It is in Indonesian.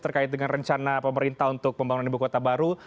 terkait dengan rencana pemerintah untuk pembangunan ibu kota baru